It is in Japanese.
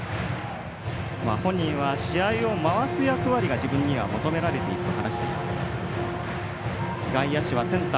本人は試合を回す役割が自分には求められていると話しています。